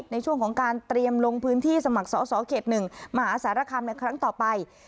ในช่วงของการเตรียมลงพื้นที่สมัครสอสอเขต๑มหาสารคามในครั้งต่อไป